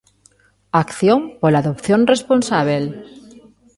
Acción pola adopción responsábel.